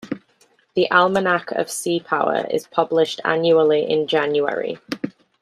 The "Almanac of Seapower" is published annually in January.